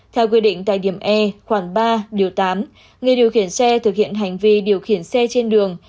theo quy định tại điểm e khoảng ba điều tám người điều khiển xe thực hiện hành vi điều khiển xe trên đường